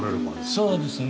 そうですね。